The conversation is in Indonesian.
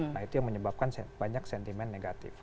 nah itu yang menyebabkan banyak sentimen negatif